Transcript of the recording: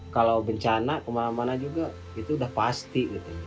kalau bencana kemana mana juga itu udah pasti